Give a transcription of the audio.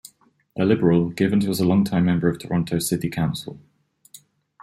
A Liberal, Givens was a longtime member of Toronto's city council.